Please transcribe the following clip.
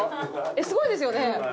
えっすごいですよね？